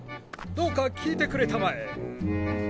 どうか聞いてくれたまえ。